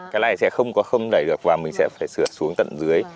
cái này sẽ không có không đẩy được và mình sẽ phải sửa xuống tận dưới